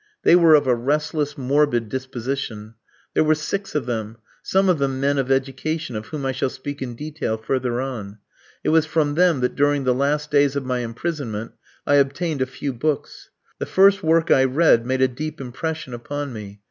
They were of a restless, morbid disposition: there were six of them, some of them men of education, of whom I shall speak in detail further on. It was from them that during the last days of my imprisonment I obtained a few books. The first work I read made a deep impression upon me.